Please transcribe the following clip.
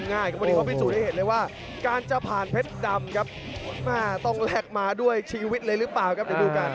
วันนี้เขาพิสูจนให้เห็นเลยว่าการจะผ่านเพชรดำครับแม่ต้องแลกมาด้วยชีวิตเลยหรือเปล่าครับเดี๋ยวดูกัน